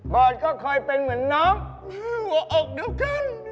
บอร์ดก็ค่อยเป็นเหมือนน้องว่าออกเดี๋ยวกัน